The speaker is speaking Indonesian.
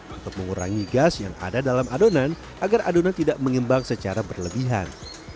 untuk mengurangi gas yang ada dalam adonan agar adonan tidak mengembang secara berlebihan